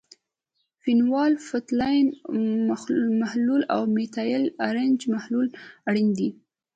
فینول فتالین محلول او میتایل ارنج محلول اړین دي.